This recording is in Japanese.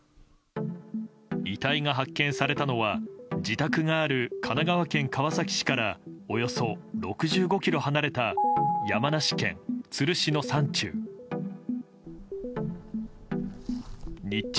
遺体が発見されたのは自宅がある神奈川県川崎市からおよそ６５ｋｍ離れた山梨県都留市の山中。